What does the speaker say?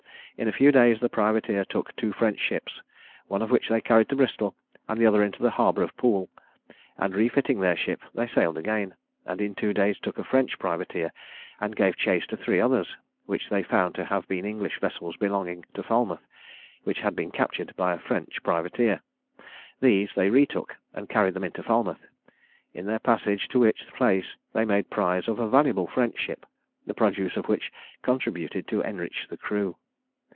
In a few days the privateer took two French ships, one of which they carried to Bristol, and the other into the harbour of Poole; and refitting their ship, they sailed again, and in two days took a French privateer, and gave chase to three others, which they found to have been English vessels belonging to Falmouth, which had been captured by a French privateer. These they retook, and carried them into Falmouth; in their passage to which place they made prize of a valuable French ship, the produce of which contributed to enrich the crew.